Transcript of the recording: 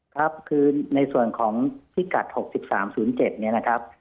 ครับคือในส่วนของพิกัด๖๓๐๗เนี่ยนะครับ